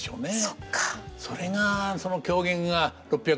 そっか。